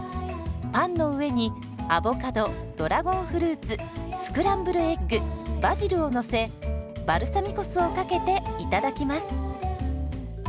パンの上にアボカドドラゴンフルーツスクランブルエッグバジルをのせバルサミコ酢をかけていただきます。